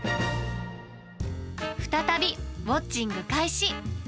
再びウォッチング開始。